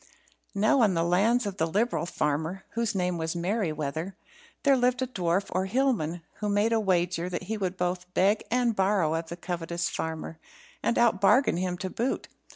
Now on the lands of the liberal farmer (whose name was Merryweather) there lived a dwarf or hillman, who made a wager that he would both beg and borrow of the covetous farmer, and out bargain him to boot.